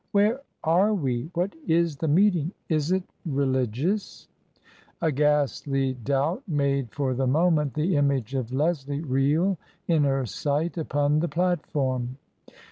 "Where are we? What is the meeting? Is it re ligiotcs ?'* A ghastly doubt made for the moment the image of Leslie reel in her sight upon the platform.